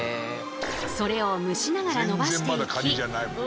それを蒸しながらのばしていき